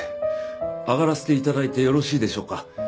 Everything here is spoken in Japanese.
上がらせて頂いてよろしいでしょうか？